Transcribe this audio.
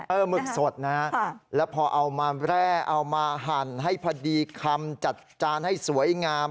หมึกสดนะฮะแล้วพอเอามาแร่เอามาหั่นให้พอดีคำจัดจานให้สวยงาม